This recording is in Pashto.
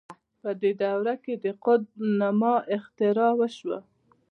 په دې دوره کې د قطب نماء اختراع وشوه.